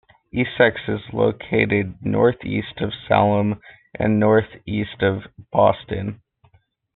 Essex is located northeast of Salem and northeast of Boston.